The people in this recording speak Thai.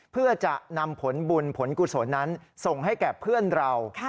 เพื่อจะนำผลบุญผลกุศลนั้นส่งให้แก่เพื่อนเรา